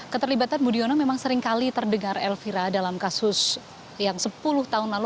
keterlibatan budiono memang seringkali terdengar elvira dalam kasus yang sepuluh tahun lalu